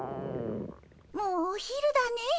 もうお昼だねえ。